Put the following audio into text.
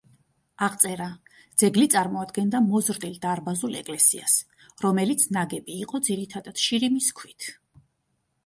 აღწერა: ძეგლი წარმოადგენდა მოზრდილ დარბაზულ ეკლესიას, რომელიც ნაგები იყო ძირითადად შირიმის ქვით.